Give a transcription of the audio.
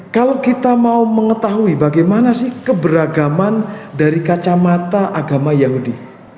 kalau kita mau mengetahui bagaimana sih keberagaman dari kacamata agama yahudi